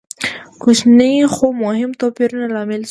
کوچني خو مهم توپیرونه لامل شول.